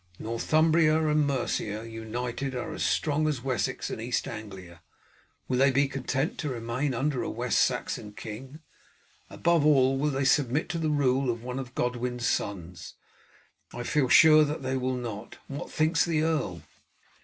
Northumbria and Mercia united are as strong as Wessex and East Anglia. Will they be content to remain under a West Saxon king? Above all, will they submit to the rule of one of Godwin's sons? I feel sure that they will not. What thinks the earl?"